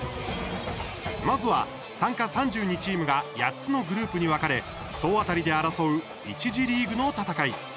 まずは、参加３２チームが８つのグループに分かれ総当たりで争う１次リーグの戦い。